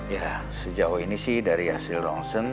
ya sejauh ini sih dari hasil ronsen